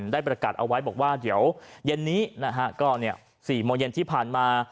ได้ประกาศเอาไว้บอกว่าเดี๋ยวเย็นนี้นะฮะก็๔โมงเย็นที่ผ่านมา